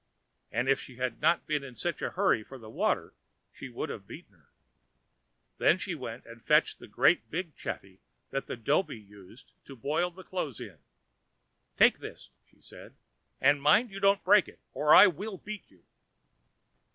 And if she had not been in such a hurry for the water she would have beaten her. Then she went and fetched the great big chatty that the dhobi used to boil the clothes in. "Take this," said she, "and mind you don't break it, or I will beat you."